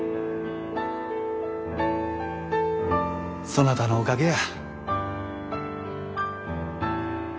そなたのおかげや。